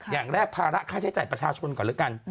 อย่างแรกภาระค่าใช้จ่ายประชาชนก่อนแล้วกัน